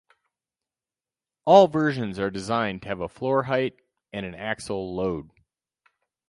All versions are designed to have a floor height and a axle load.